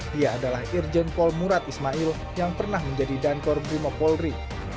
dia adalah irjen kol murad ismail yang pernah menjadi dankor brimo polri